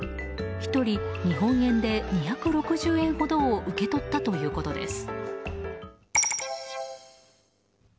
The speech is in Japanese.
１人、日本円で２６０円ほどを受け取ったということです。